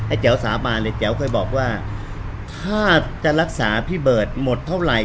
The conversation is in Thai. แจ๋วสาบานเลยแจ๋วเคยบอกว่าถ้าจะรักษาพี่เบิร์ตหมดเท่าไหร่